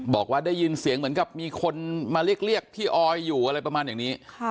บอกว่าได้ยินเสียงเหมือนกับมีคนมาเรียกพี่ออยอยู่อะไรประมาณอย่างนี้